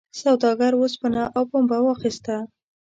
سوداګر اوسپنه او پنبه واخیسته.